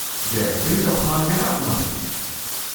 Wer will noch mal, wer hat noch nicht?